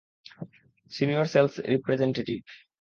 Senior sales representative.